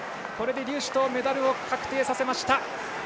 これで劉思とうメダルを確定させました。